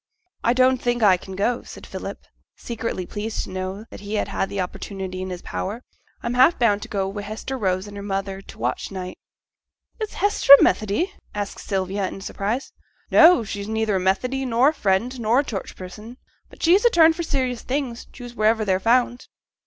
'I don't think as I can go,' said Philip, secretly pleased to know that he had the opportunity in his power; 'I'm half bound to go Wi' Hester Rose and her mother to t' watch night.' 'Is Hester a Methodee?' asked Sylvia in surprise. 'No! she's neither a Methodee, nor a Friend, nor a Church person; but she's a turn for serious things, choose wherever they're found.'